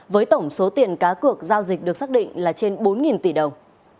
với tổng số tiền cá cược giao dịch được xác định là trên bốn tỷ đồng